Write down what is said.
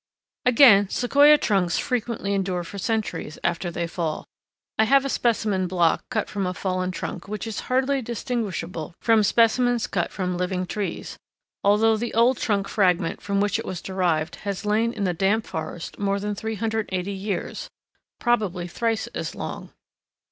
Again, Sequoia trunks frequently endure for centuries after they fall. I have a specimen block, cut from a fallen trunk, which is hardly distinguishable from specimens cut from living trees, although the old trunk fragment from which it was derived has lain in the damp forest more than 380 years, probably thrice as long.